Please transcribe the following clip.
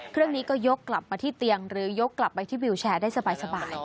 เครื่องนี้ก็ยกกลับมาที่เตียงหรือยกกลับไปที่วิวแชร์ได้สบาย